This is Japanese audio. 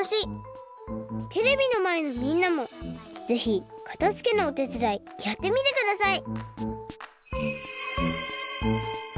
テレビのまえのみんなもぜひかたづけのおてつだいやってみてください！